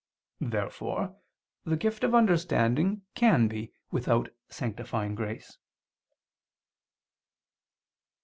Therefore the gift of understanding can be without sanctifying grace.